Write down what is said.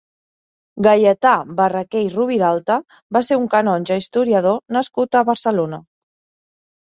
Gaietà Barraquer i Roviralta va ser un canonge i historiador nascut a Barcelona.